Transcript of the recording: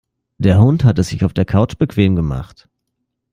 Der Hund hat es sich auf der Couch bequem gemacht.